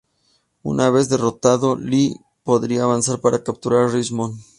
Una vez derrotado Lee, podría avanzar para capturar Richmond.